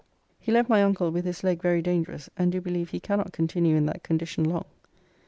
He left my uncle with his leg very dangerous, and do believe he cannot continue in that condition long.